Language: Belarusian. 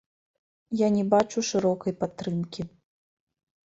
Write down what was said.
Я не бачу шырокай падтрымкі.